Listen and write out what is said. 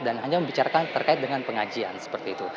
dan hanya membicarakan terkait dengan pengajian seperti itu